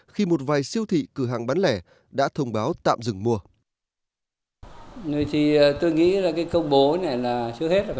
khi một vài siêu thị cửa hàng bán lẻ đã thông báo tạm dừng mua